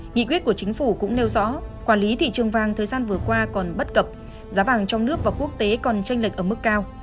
nghị quyết của chính phủ cũng nêu rõ quản lý thị trường vàng thời gian vừa qua còn bất cập giá vàng trong nước và quốc tế còn tranh lệch ở mức cao